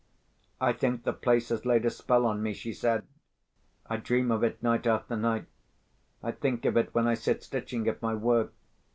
"I think the place has laid a spell on me," she said. "I dream of it night after night; I think of it when I sit stitching at my work.